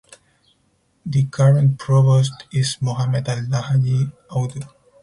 The current Provost is Mohammed Alhaji Audu.